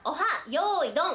よいどん」